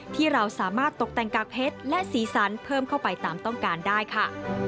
ที่เราสามารถตกแต่งกากเพชรและสีสันเพิ่มเข้าไปตามต้องการได้ค่ะ